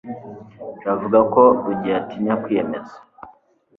jabo avuga ko rugeyo atinya kwiyemeza